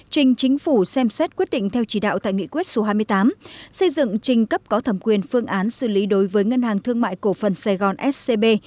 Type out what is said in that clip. trình chính phủ xem xét quyết định theo chỉ đạo tại nghị quyết số hai mươi tám xây dựng trình cấp có thẩm quyền phương án xử lý đối với ngân hàng thương mại cổ phần sài gòn scb